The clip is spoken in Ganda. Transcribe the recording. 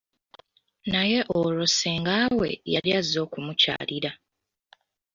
Naye olwo ssengaawe, yali azze okumukyalira.